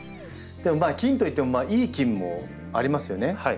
菌といってもいい菌もありますよね。